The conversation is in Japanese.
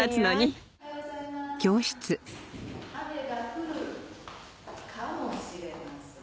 雨が降るかもしれません。